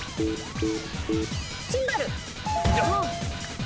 シンバル！